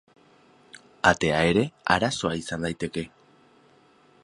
Atea ere arazoa izan daiteke.